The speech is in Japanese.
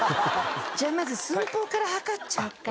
じゃあまず寸法から測っちゃおうかな。